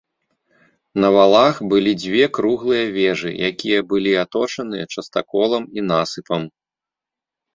На валах былі дзве круглыя вежы, якія былі аточаныя частаколам і насыпам.